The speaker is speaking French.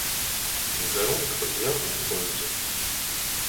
Nous allons être bien heureuses.